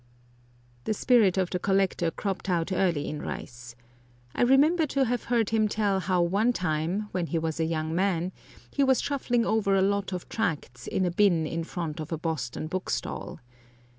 The spirit of the collector cropped out early in Rice. I remember to have heard him tell how one time, when he was a young man, he was shuffling over a lot of tracts in a bin in front of a Boston bookstall.